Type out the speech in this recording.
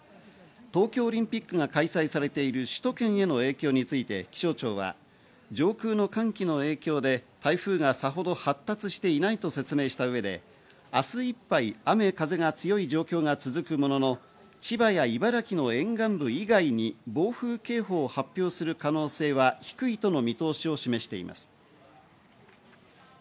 東京オリンピックが開催されている首都圏への影響について、気象庁は上空の寒気の影響で台風がさほど発達していないと説明した上で明日いっぱい雨や風が強い状況が続くものの、千葉や茨城の沿岸部以外に暴風警報を発表する見通しは低いとの見通しを示しています。